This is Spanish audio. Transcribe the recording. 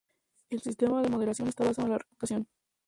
El sistema de moderación está basado en la reputación.